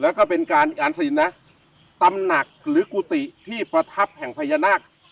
แล้วก็เป็นการอ่านสินนะตำหนักหรือกุฏิที่ประทับแห่งพญานาค